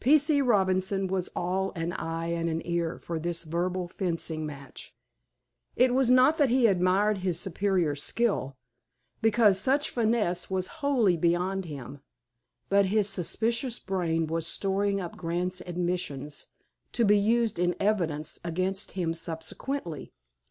P. C. Robinson was all an eye and an ear for this verbal fencing match. It was not that he admired his superior's skill, because such finesse was wholly beyond him, but his suspicious brain was storing up Grant's admissions "to be used in evidence" against him subsequently.